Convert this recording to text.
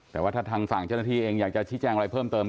แต่ว่าถ้าทางฝั่งเจ้าหน้าที่เองอยากจะชี้แจ้งอะไรเพิ่มเติม